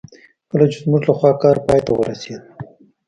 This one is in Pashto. کله چې زموږ لخوا کار پای ته ورسېد.